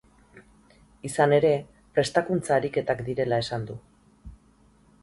Izan ere, prestakuntza ariketak direla esan du.